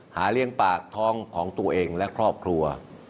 หาเลี้ยงปากท้องของตัวเองและครอบครัว